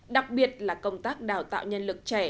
đặc biệt là công tác đào tạo nhân lực trẻ